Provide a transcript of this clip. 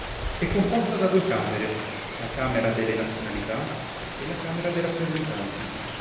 È composta da due camere: la Camera delle Nazionalità e la Camera dei Rappresentanti.